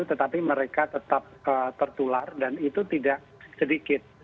tetapi mereka tetap tertular dan itu tidak sedikit